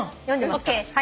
ＯＫ。